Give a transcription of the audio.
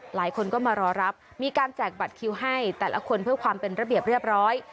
หลายคนก็มารอรับมีการแจกบัตรคิวให้แต่ละคนเพื่อความเป็นระเบียบเรียบร้อย